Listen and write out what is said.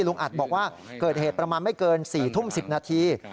อัดบอกว่าเกิดเหตุประมาณไม่เกิน๔ทุ่ม๑๐นาที